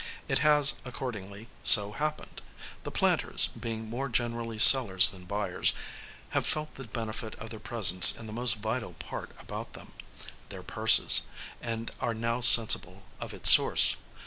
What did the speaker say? It has, accordingly, so happened. The planters, being more generally sellers than buyers, have felt the benefit of their presence in the most vital part about them, their purses, and are now sensible of its source.